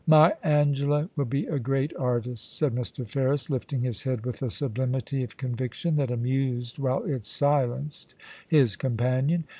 * My Angela will be a great artist/ said Mr. Ferris, lifting his head with a sublimity of conviction that amused while it silenced his companion.